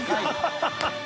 ハハハ